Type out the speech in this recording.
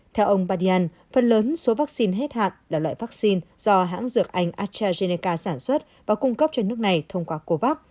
theo ông badian phần lớn số vaccine hết hạn là loại vaccine do hãng dược anh astrazeneca sản xuất và cung cấp cho nước này thông qua covax